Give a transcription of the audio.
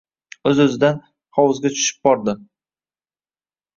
O’z-o‘zidan... hovuzga tushib bordi.